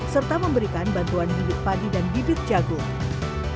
serta memberikan bantuan bibit padi dan bibit jagung